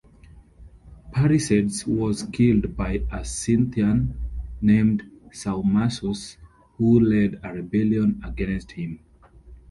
Paerisades was killed by a Scythian named Saumacus who led a rebellion against him.